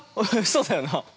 そうだよな？